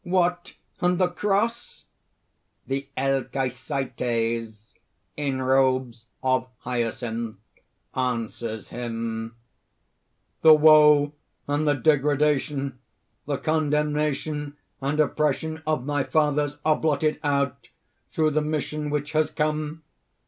"What! and the cross?" THE ELKHESAITES (in robes of hyacinth answers him). "The woe and the degradation, the condemnation and oppression of my fathers are blotted out, through the mission which has come.